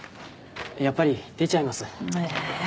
やっぱり出ちゃいますええー